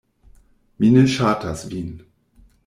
Mi ne ŝatas vin.